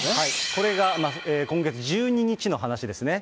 これが今月１２日の話ですね。